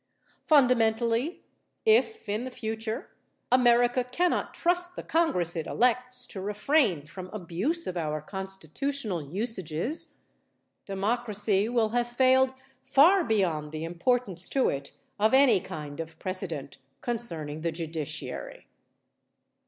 Fundamentally, if in the future, America cannot trust the Congress it elects to refrain from abuse of our Constitutional usages, democracy will have failed far beyond the importance to it of any king of precedent concerning the judiciary.